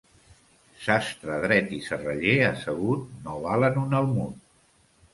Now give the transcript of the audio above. Sastre dret i serraller assegut no valen un almud.